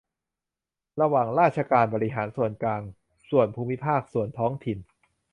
ระหว่างราชการบริหารส่วนกลาง ส่วนภูมิภาค ส่วนท้องถิ่น